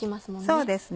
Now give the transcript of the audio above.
そうですね。